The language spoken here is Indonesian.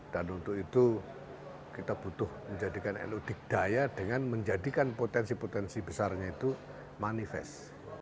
dan untuk itu kita butuh menjadikan elodik daya dengan menjadikan potensi potensi besarnya itu manifest